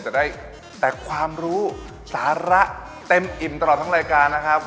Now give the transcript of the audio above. จะได้แต่ความรู้สาระเต็มอิ่มตลอดทั้งรายการนะครับ